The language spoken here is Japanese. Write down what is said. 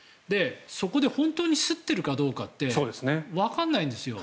そこで本当にすっているかどうかってわからないんですよ。